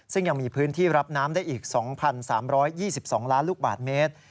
ซึ่งยังมีพื้นที่รับน้ำได้อีก๒๓๒๒ล้านลูกบาทเมตร